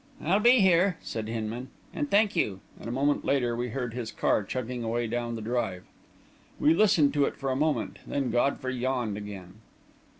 "I'll be here!" said Hinman. "And thank you," and a moment later we heard his car chugging away down the drive. We listened to it for a moment, then Godfrey yawned again.